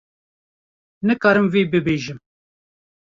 - Nikarim vê bibêjim.